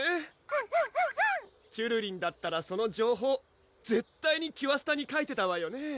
うんうんうんうんちゅるりんだったらその情報絶対にキュアスタに書いてたわよね